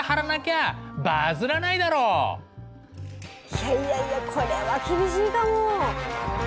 いやいやいやこれは厳しいかも。